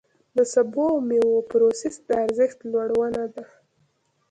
د سبو او مېوو پروسس د ارزښت لوړونه ده.